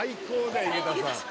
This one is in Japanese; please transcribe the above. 井桁さん。